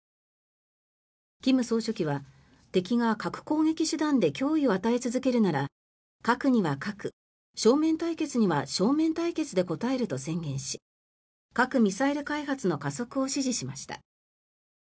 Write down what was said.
金総書記は、敵が核攻撃手段で脅威を与え続けるなら核には核正面対決には正面対決で応えると宣言し核・ミサイル開発の加速を指示しました。